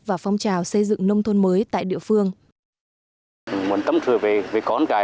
và phong trào xây dựng nông thôn mới